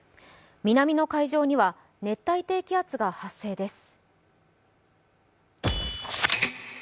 南の海上には、熱帯低気圧が発生です。